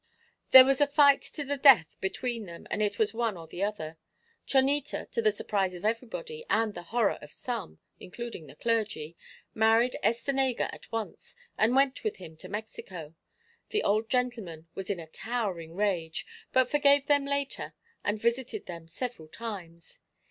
"There was a fight to the death between them, and it was one or the other. Chonita, to the surprise of everybody, and to the horror of some including the clergy married Estenega at once, and went with him to Mexico. The old gentleman was in a towering rage, but forgave them later and visited them several times.